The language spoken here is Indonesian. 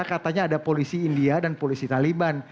katanya ada polisi india dan polisi taliban